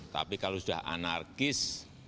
tapi kalau sudah anarkis